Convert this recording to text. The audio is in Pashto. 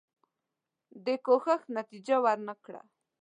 دې کوښښ نتیجه ورنه کړه.